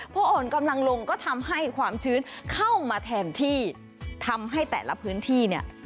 พออ่อนกำลังลงก็ทำให้ความชื้นเข้ามาแทนที่ทำให้แต่ละพื้นที่เนี่ย